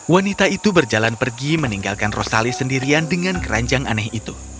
wanita itu berjalan pergi meninggalkan rosali sendirian dengan keranjang aneh itu